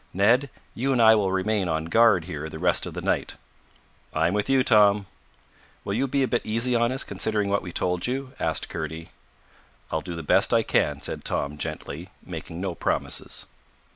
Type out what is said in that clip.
Ned, you and I will remain on guard here the rest of the night." "I'm with you, Tom." "Will you be a bit easy on us, considering what we told you?" asked Kurdy. "I'll do the best I can," said Tom, gently, making no promises.